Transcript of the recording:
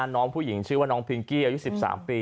น้องผู้หญิงชื่อว่าน้องพิงกี้อายุ๑๓ปี